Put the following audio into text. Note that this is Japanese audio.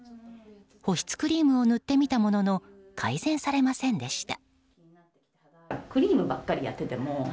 保湿クリームを塗ってみたものの改善されませんでした。